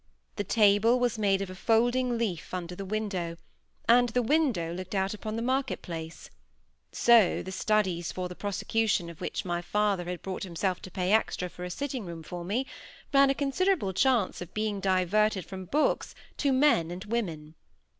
The table was made of a folding leaf under the window, and the window looked out upon the market place; so the studies for the prosecution of which my father had brought himself to pay extra for a sitting room for me, ran a considerable chance of being diverted from books to men and women.